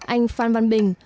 anh phan văn bình